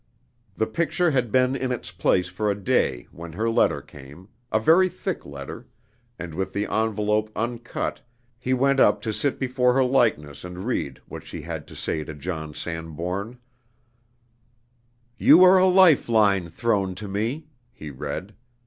The picture had been in its place for a day when her letter came, a very thick letter; and with the envelope uncut he went up to sit before her likeness and read what she had to say to John Sanbourne. "You are a lifeline thrown to me!" he read.